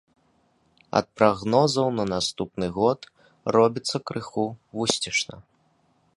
Ад прагнозаў на наступны год робіцца крыху вусцішна.